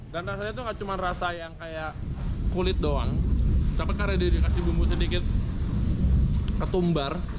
dan rasanya itu cuma rasa yang kayak kulit doang tapi karena dikasih bumbu sedikit ketumbar